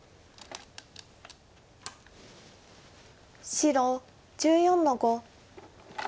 白１４の五。